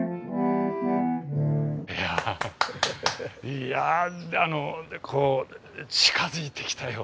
いやこう近づいてきたような。